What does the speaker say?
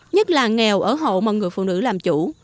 nhất là nghèo ở hộ mà người phụ nữ làm chủ